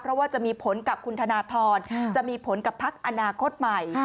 เพราะว่าจะมีผลกับคุณธนทรจะมีผลกับพักอนาคตใหม่